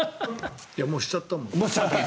もうしちゃったもん。